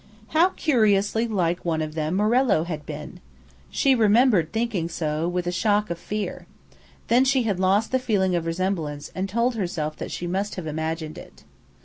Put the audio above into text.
How curiously like one of them Morello had been! She remembered thinking so, with a shock of fear. Then she had lost the feeling of resemblance, and told herself that she must have imagined it.